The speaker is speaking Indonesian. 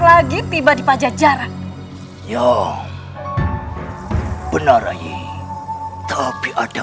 lagi tiba di pajak jarak ya benar ayy tapi ada